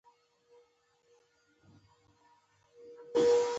هغه یوازې عمره وه.